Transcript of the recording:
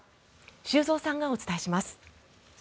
修造さんがお伝えします。